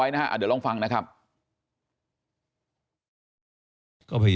แล้วถ้าคุณชุวิตไม่ออกมาเป็นเรื่องกลุ่มมาเฟียร์จีน